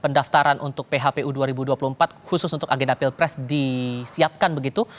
pendaftaran untuk phpu dua ribu dua puluh empat khusus untuk agenda pilpres disiapkan begitu